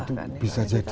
itu bisa jadi